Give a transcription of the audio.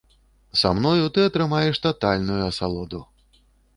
Са мною ты атрымаеш татальную асалоду.